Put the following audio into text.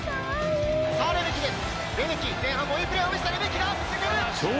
さあ、レメキです。